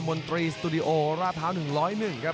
มนตรีสตูดิโอราเท้า๑๐๑